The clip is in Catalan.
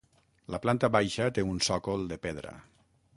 La planta baixa té un sòcol de pedra.